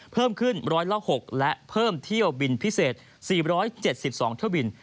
เพิ่มขึ้นร้อยละ๖และเพิ่มเที่ยวบินพิเศษ๔๗๒เที่ยวบิน